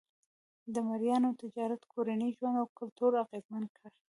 د مریانو تجارت کورنی ژوند او کلتور اغېزمن کړ.